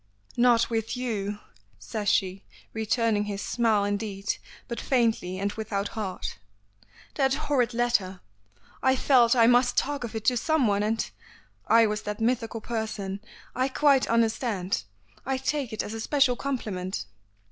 "Not with you," says she, returning his smile indeed, but faintly, and without heart, "that horrid letter! I felt I must talk of it to someone, and " "I was that mythical person. I quite understand. I take it as a special compliment."